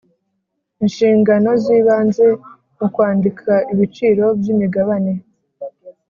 inshingano z ibanze mu kwandika ibiciro by imigabane